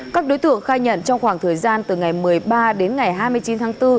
các đối tượng khai nhận trong khoảng thời gian từ ngày một mươi ba đến ngày hai mươi chín tháng bốn